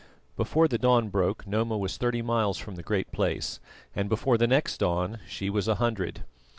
Before the dawn broke Noma was thirty miles from the Great Place, and before the next dawn she was a hundred.